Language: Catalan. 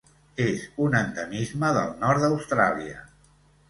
És un endemisme del nord d'Austràlia.